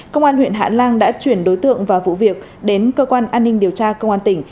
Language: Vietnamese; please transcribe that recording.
công an huyện hạ lan đã chuyển đối tượng và vụ việc đến cơ quan an ninh điều tra công an tỉnh